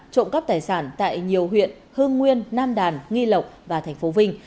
trộm cắp tài sản tại nhiều huyện hương nguyên nam đàn nghi lộc và tp vinh